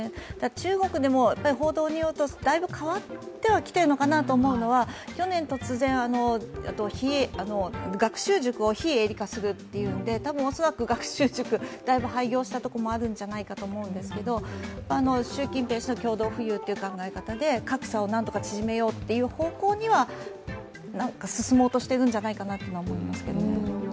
中国でも、だいぶ変わってきてるなと思うのは去年突然、学習塾を非営利化するということで、多分、恐らく学習塾だいぶ廃業したところ多かったんじゃないかと思うんですけど習近平氏の共同富裕ということで格差を何とか縮めようという方向には進もうとしているんじゃないかと思いますけどね。